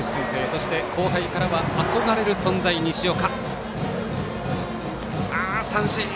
そして、後輩からは憧れる存在、西岡。